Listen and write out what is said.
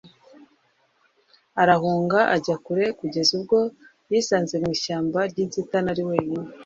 arahunga ajya kure kugeza ubwo yisanze mu ishyamba ryinzitane ari wenyine